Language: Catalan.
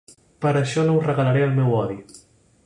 Per això no us regalaré el meu odi.